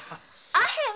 「アヘン」